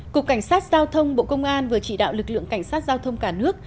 cục cảnh sát giao thông bộ công an vừa chỉ đạo lực lượng cảnh sát giao thông cả nước